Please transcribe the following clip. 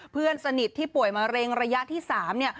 เพื่อนสนิทที่ป่วยมะเร็งระยะที่๓เนี่ย